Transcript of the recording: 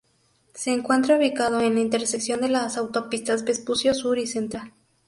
Se encuentra ubicado en la intersección de las autopistas Vespucio Sur y Central.